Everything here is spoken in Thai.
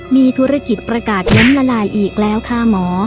มีธุรกิจประกาศล้มละลายอีกแล้วค่ะหมอ